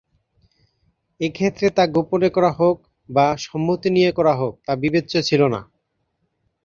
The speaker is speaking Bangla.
এক্ষেত্রে তা গোপনে করা হোক বা সম্মতি নিয়ে করা হোক তা বিবেচ্য ছিল না।